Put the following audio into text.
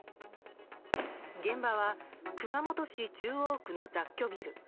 現場は、熊本市中央区の雑居ビル。